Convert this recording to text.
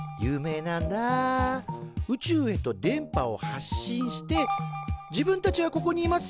宇宙へと電波を発信して自分たちはここにいます